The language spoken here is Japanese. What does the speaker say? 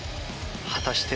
果たして